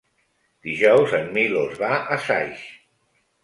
Dijous en Milos va a Saix.